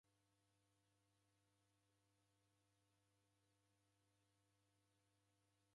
Badala unikabie simu w'akabia mundu mzima